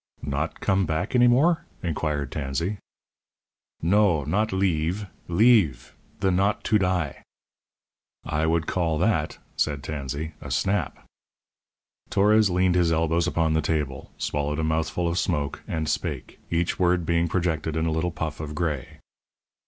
"Not come back any more?" inquired Tansey. "No; not leave leeve; the not to die." "I would call that," said Tansey, "a snap." Torres leaned his elbows upon the table, swallowed a mouthful of smoke, and spake each word being projected in a little puff of gray.